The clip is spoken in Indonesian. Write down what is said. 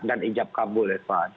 dan ijab kabul